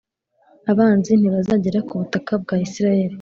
Abanzi ntibazagera ku butaka bwa Isirayeli